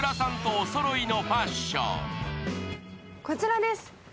こちらです。